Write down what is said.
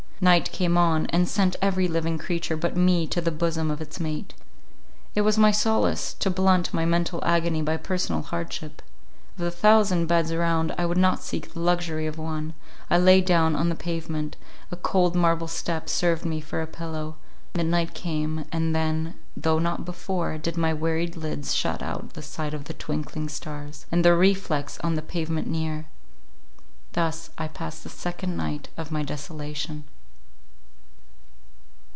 Night came on, and sent every living creature but me to the bosom of its mate. It was my solace, to blunt my mental agony by personal hardship—of the thousand beds around, I would not seek the luxury of one; I lay down on the pavement,—a cold marble step served me for a pillow—midnight came; and then, though not before, did my wearied lids shut out the sight of the twinkling stars, and their reflex on the pavement near. Thus I passed the second night of my desolation.